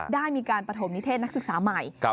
ได้มีการปฐมนิเทศนักศึกษาใหม่